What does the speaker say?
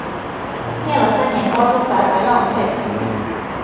念了三年高中白白浪费